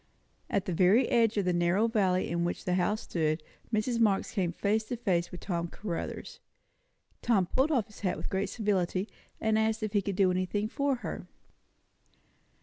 At the very edge of the narrow valley in which the house stood, Mrs. Marx came face to face with Tom Caruthers. Tom pulled off his hat with great civility, and asked if he could do anything for her.